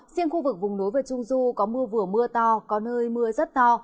riêng khu vực vùng núi và trung du có mưa vừa mưa to còn hơi mưa rất to